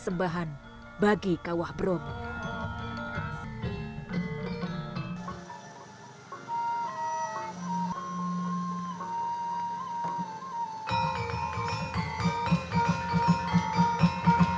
jika mendapat karunia anak maka anak terakhir mereka akan menjadi berat